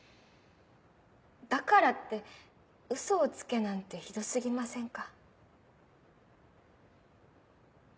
だからってウソをつけなんてひど過ぎませんか。